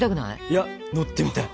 いや乗ってみたい！